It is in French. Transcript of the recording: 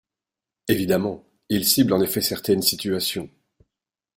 Évidemment ! Il cible en effet certaines situations.